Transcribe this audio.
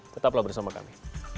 tetaplah bersama kami